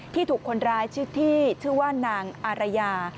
ที่ถูกคนร้ายแท้ชื่อชื่อว่านางอรัยา